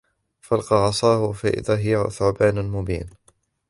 فَأَلْقَى عَصَاهُ فَإِذَا هِيَ ثُعْبَانٌ مُبِينٌ